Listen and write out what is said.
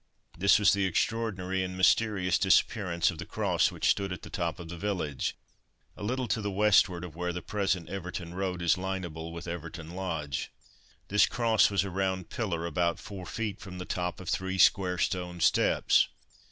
This was the extraordinary and mysterious disappearance of the Cross which stood at the top of the village, a little to the westward of where the present Everton road is lineable with Everton lodge. This Cross was a round pillar, about four feet from the top of three square stone steps.